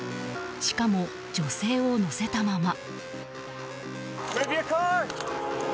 しかも女性を乗せたまま。